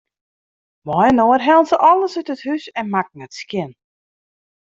Mei-inoar hellen se alles út it hûs en makken it skjin.